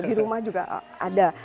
di rumah juga ada